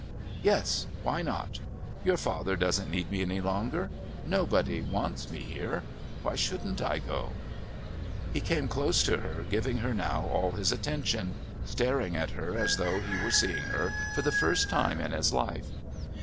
"Yes, why not? Your father doesn't need me any longer. Nobody wants me here. Why shouldn't I go?" He came close to her, giving her now all his attention, staring at her as though he were seeing her for the first time in his life.